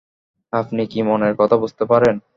আপনি কি মনের কথা বুঝতে পারেন?